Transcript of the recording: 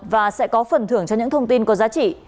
và sẽ có phần thưởng cho những thông tin có giá trị